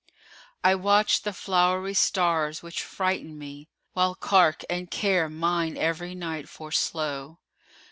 I watch the flowery stars which frighten me; * While cark and care mine every night foreslow.